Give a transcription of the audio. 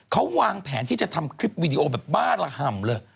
เขาวางแผนที่จะทำคลิปวีดีโอแบบบ้าระห่ำเลย